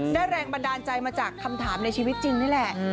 แรงบันดาลใจมาจากคำถามในชีวิตจริงนี่แหละ